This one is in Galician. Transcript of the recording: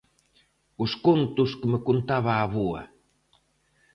Os contos que me contaba a avoa.